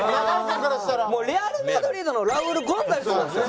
もうレアル・マドリードのラウール・ゴンザレスなんですよ。